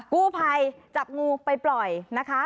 กู้ภัยจับงูไปปล่อยนะคะ